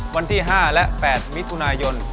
วันที่๕และ๘มิถุนายน